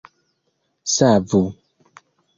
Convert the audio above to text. savu